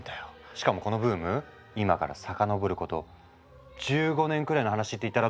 しかもこのブーム今から遡ること１５年くらいの話って言ったらどう？